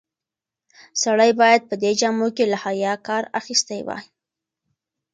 سړی باید په دې جامو کې له حیا کار اخیستی وای.